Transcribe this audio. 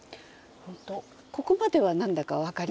ここまでは何だか分かります。